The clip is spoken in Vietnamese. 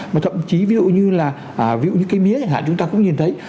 mà thậm chí ví dụ như là ví dụ như cây mía chẳng hạn chúng ta cũng nhìn thấy